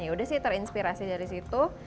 ya udah sih terinspirasi dari situ